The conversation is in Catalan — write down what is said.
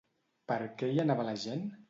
Per què hi anava la gent?